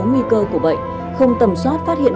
nguy cơ của bệnh không tầm soát phát hiện